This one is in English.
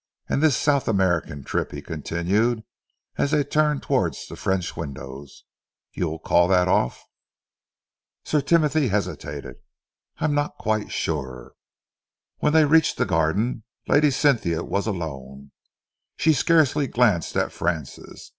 "And this South American trip," he continued, as they turned towards the French windows, "you'll call that off?" Sir Timothy hesitated. "I am not quite sure." When they reached the garden, Lady Cynthia was alone. She scarcely glanced at Francis.